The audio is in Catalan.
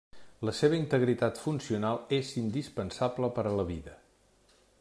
La seva integritat funcional és indispensable per a la vida.